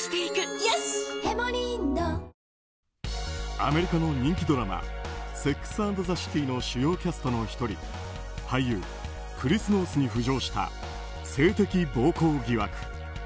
アメリカの人気ドラマ「セックス・アンド・ザ・シティ」の主要キャストの１人俳優クリス・ノースに浮上した性的暴行疑惑。